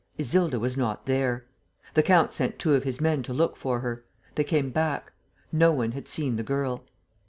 Isilda was not there. The count sent two of his men to look for her. They came back. No one had seen the girl.